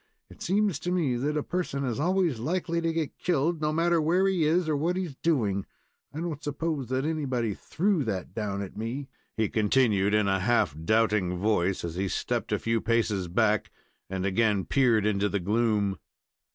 "It seems to me that a person is always likely to get killed, no matter where he is or what he is doing. I don't suppose that anybody threw that down at me," he continued, in a half doubting voice, as he stepped a few paces back and again peered into the gloom.